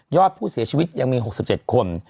อดผู้เสียชีวิตยังมี๖๗คน